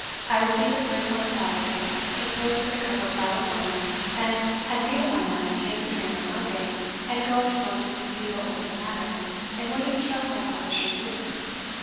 I received the first on Saturday, enclosed in a cover without a line, and had made up my mind to take the train on Monday, and go up to London to see what was the matter, and what had struck my publisher mute.